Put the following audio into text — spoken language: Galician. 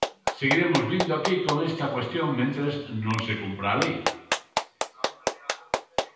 Seguiremos vindo aquí con esta cuestión mentres non se cumpra a lei.